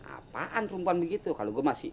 apaan perempuan begitu kalo gua masih